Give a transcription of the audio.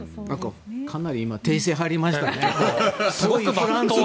かなり今訂正が入りましたね。